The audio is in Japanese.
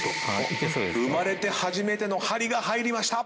生まれて初めての鍼が入りました！